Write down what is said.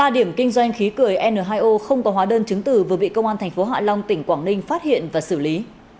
ba điểm kinh doanh khí cười n hai o không có hóa đơn chứng tử vừa bị công an thành phố hạ long tỉnh quảng ninh phát hiện và xử lý